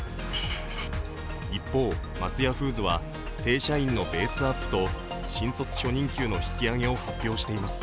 一方、松屋フーズは正社員のベースアップと新卒初任給の引き上げを発表しています。